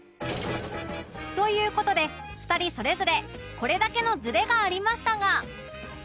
という事で２人それぞれこれだけのずれがありましたが